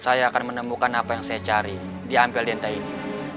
saya akan menemukan apa yang saya cari di ampel dente ini